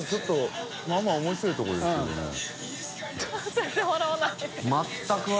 全然笑わない